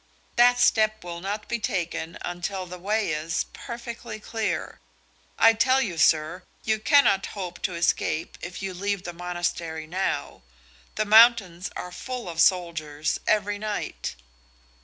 That step will not be taken until the way is, perfectly clear. I tell you, sir, you cannot hope to escape if you leave the monastery now. The mountains are full of soldiers every night."